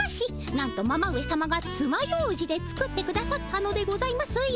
なんとママ上さまがつまようじで作ってくださったのでございますよっ。